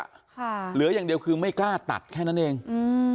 ค่ะเหลืออย่างเดียวคือไม่กล้าตัดแค่นั้นเองอืม